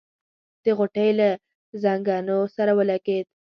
د غوټۍ له ځنګنو سره ولګېد.